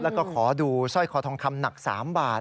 แล้วก็ขอดูสร้อยคอทองคำหนัก๓บาท